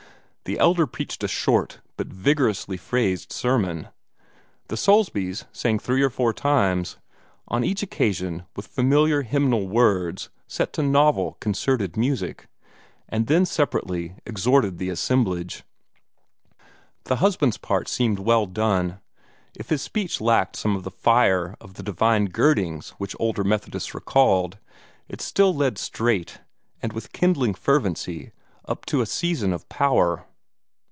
The Elder preached a short, but vigorously phrased sermon. The Soulsbys sang three or four times on each occasion with familiar hymnal words set to novel, concerted music and then separately exhorted the assemblage. The husband's part seemed well done. If his speech lacked some of the fire of the divine girdings which older Methodists recalled, it still led straight, and with kindling fervency, up to a season of power.